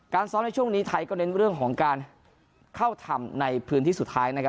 ซ้อมในช่วงนี้ไทยก็เน้นเรื่องของการเข้าทำในพื้นที่สุดท้ายนะครับ